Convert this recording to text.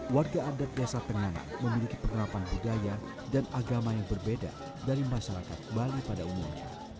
warga adat desa tenganan memiliki penerapan budaya dan agama yang berbeda dari masyarakat bali pada umumnya